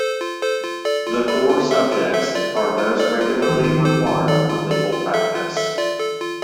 The core subjects are those regularly required for legal practice.